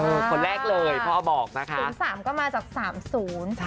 คนแรกเลยพ่อบอกนะคะศูนย์สามก็มาจากสามศูนย์